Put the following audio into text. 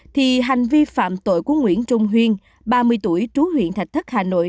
thì hành vi phạm tội của nguyễn trung huyên ba mươi tuổi trú huyện thạch thất hà nội